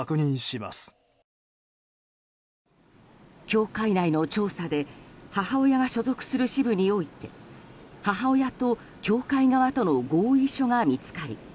教会内の調査で母親が所属する支部において母親と教会側との合意書が見つかり